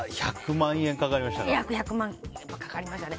いや、１００万円かかりましたか。